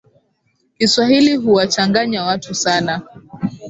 Kiswahili huwachanganya watu sana